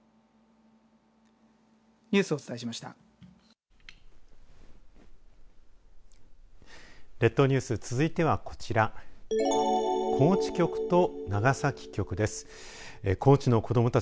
ニュースをお伝えしました。